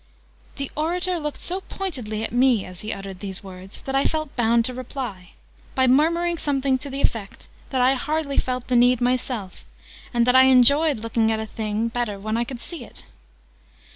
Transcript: The orator looked so pointedly at me as he uttered these words, that I felt bound to reply, by murmuring something to the effect that I hardly felt the need myself and that I enjoyed looking at a thing, better, when I could see it.